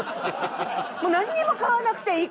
もうなんにも買わなくていい。